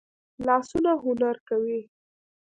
لاسونه هنر کوي